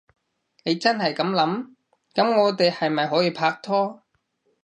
你真係噉諗？噉我哋係咪可以拍拖？